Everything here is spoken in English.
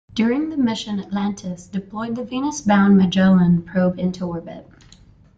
During the mission, "Atlantis" deployed the Venus-bound "Magellan" probe into orbit.